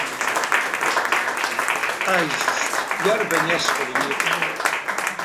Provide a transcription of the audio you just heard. Ҟаи, џьаушьҭ, иарбан иасҳәараны иҟоу?!